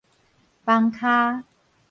枋跤